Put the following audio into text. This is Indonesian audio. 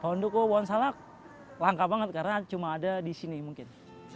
pohon duku pohon salak langka banget karena cuma ada di sini mungkin